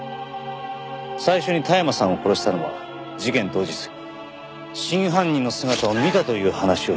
最初に田山さんを殺したのは事件当日真犯人の姿を見たという話をしていたから。